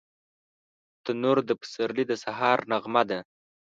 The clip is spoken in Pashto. تنور د پسرلي د سهار نغمه ده